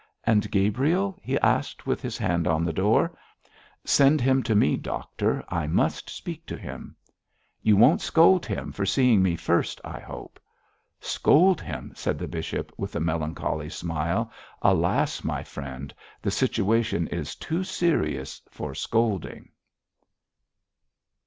'And Gabriel?' he asked, with his hand on the door. 'Send him to me, doctor. I must speak to him.' 'You won't scold him for seeing me first, I hope.' 'Scold him,' said the bishop, with a melancholy smile. 'Alas, my friend, the situation is too serious for scolding!'